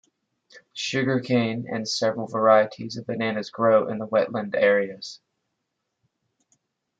Sugar cane and several varieties of bananas grow in the wetland areas.